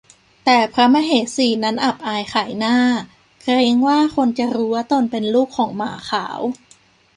แต่พระมเหสีนั้นอับอายขายหน้าเกรงว่าคนจะรู้ว่าตนเป็นลูกของหมาขาว